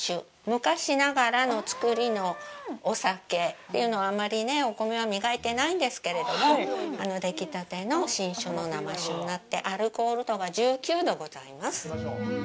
昔ながらの造りのお酒というのはあまりお米は磨いてないんですけれども出来たての新酒の生酒になってアルコール度が１９度ございます。